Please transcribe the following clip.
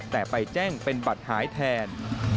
แต่ไปแจ้งเป็นบัตรหายแทน